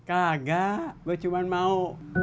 enggak gue cuma mau